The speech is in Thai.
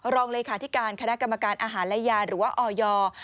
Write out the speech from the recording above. รองเลยค่ะที่การคณะกรรมการอาหารและยาหรือว่าออยอร์